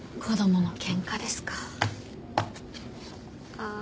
ああ。